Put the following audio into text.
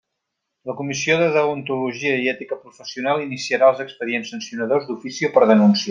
La Comissió de Deontologia i Ètica Professional iniciarà els expedients sancionadors d'ofici o per denúncia.